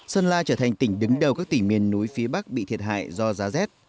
sơn la trở thành tỉnh đứng đầu các tỉnh miền núi phía bắc bị thiệt hại do giá rét